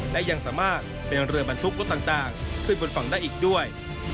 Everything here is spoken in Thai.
และยังสามารถเป็นเรือบรรทุกรถต่างขึ้นบนฝั่งได้อีกด้วย